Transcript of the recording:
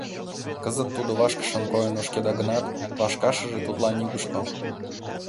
Кызыт тудо вашкышын койын ошкеда гынат, вашкашыже тудлан нигушко.